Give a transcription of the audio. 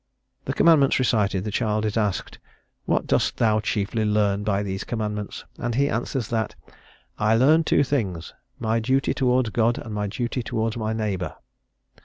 The commandments recited, the child is asked "What dost thou chiefly learn by these commandments?" and he answers that "I learn two things: my duty towards God and my duty towards my neighbour."